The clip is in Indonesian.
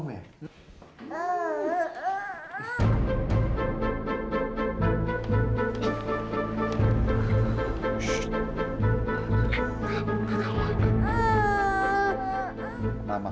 tidak tidak mau